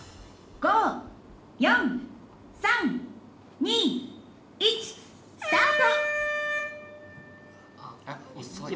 「５４３２１スタート！」。